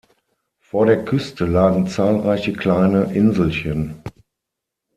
Vor der Küste lagen zahlreiche kleine Inselchen.